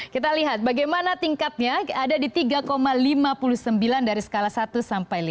kita lihat bagaimana tingkatnya ada di tiga lima puluh sembilan dari skala satu sampai lima